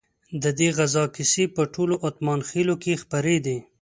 ددې غزا کیسې په ټولو اتمانخيلو کې خپرې دي.